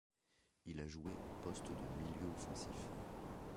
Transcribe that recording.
Il a joué au poste de milieu offensif.